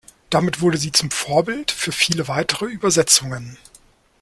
Damit wurde sie zum Vorbild für viele weitere Übersetzungen.